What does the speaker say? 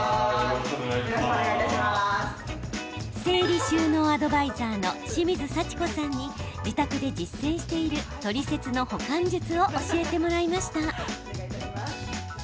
整理収納アドバイザーの清水幸子さんに自宅で実践しているトリセツの保管術を教えてもらいました。